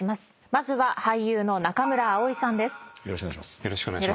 まずは俳優の中村蒼さんです。